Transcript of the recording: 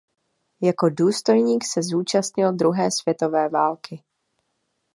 Jako důstojník se zúčastnil druhé světové války.